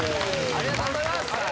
ありがとうございます